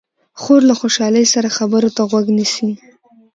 خور له خوشحالۍ سره خبرو ته غوږ نیسي.